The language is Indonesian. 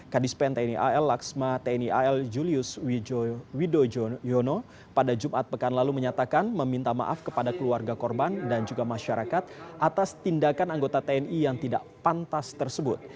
kadis pen tni al laksma tni al julius widono pada jumat pekan lalu menyatakan meminta maaf kepada keluarga korban dan juga masyarakat atas tindakan anggota tni yang tidak pantas tersebut